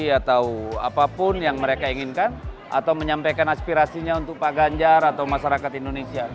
atau apapun yang mereka inginkan atau menyampaikan aspirasinya untuk pak ganjar atau masyarakat indonesia